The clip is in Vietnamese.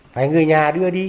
phải người nhà đưa đi